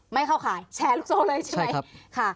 ไม่เข้าข่ายแชร์ลูกโซ่เลยใช่ไหม